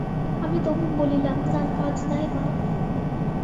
আমি তবু বলিলাম, না, কাজ নাই মা।